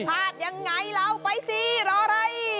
พาดยังไงเราไปสิรอเร่ย